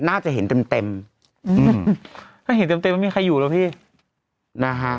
น่าจะเห็นเต็มเต็มอืมถ้าเห็นเต็มเต็มไม่มีใครอยู่แล้วพี่นะฮะ